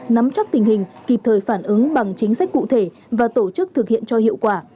nắm chắc tình hình kịp thời phản ứng bằng chính sách cụ thể và tổ chức thực hiện cho hiệu quả